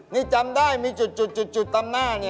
นี่จำได้มีจุดตามหน้าเนี่ย